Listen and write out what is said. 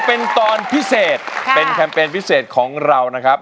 เป็นตอนพิเศษเป็นแคมเปญพิเศษของเรานะครับ